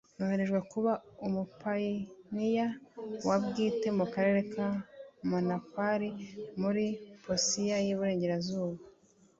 noherejwe kuba umupayiniya wa bwite mu karere ka Manokwari muri Papouasie y i Burengerazuba